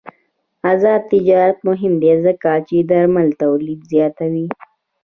آزاد تجارت مهم دی ځکه چې درمل تولید زیاتوي.